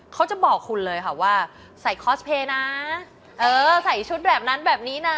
เขาจะบอกคุณเลยค่ะว่าใส่คอสเพย์นะเออใส่ชุดแบบนั้นแบบนี้นะ